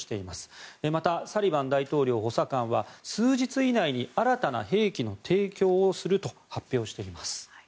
また、サリバン大統領補佐官は数日以内に新たな兵器の提供をすると発表しています。